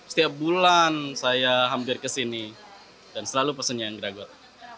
setiap bulan saya hampir ke sini dan selalu pesennya yang geragot